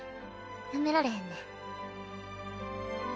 やめられへんねん。